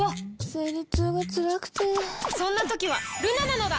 生理痛がつらくてそんな時はルナなのだ！